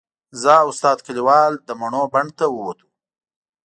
زه او استاد کلیوال د مڼو بڼ ته ووتو.